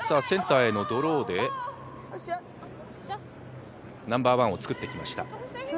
センターへのドローでナンバーワンを作ってきました。